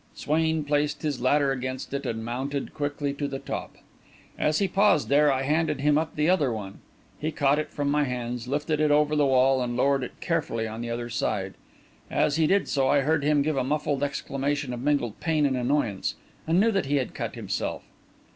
Swain placed his ladder against it, and mounted quickly to the top. As he paused there, I handed him up the other one. He caught it from my hands, lifted it over the wall, and lowered it carefully on the other side. As he did so, I heard him give a muffled exclamation of mingled pain and annoyance, and knew that he had cut himself.